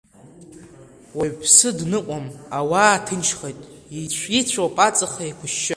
Уаҩԥсы дныҟәом, ауаа ҭынчхеит, ицәоуп аҵх еиқәышьшьы.